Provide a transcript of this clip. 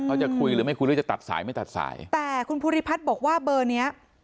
เขาจะคุยหรือไม่คุยหรือจะตัดสายไม่ตัดสายแต่คุณภูริพัฒน์บอกว่าเบอร์เนี้ย